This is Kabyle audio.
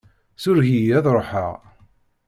Sureg-iyi ad ṛuḥeɣ.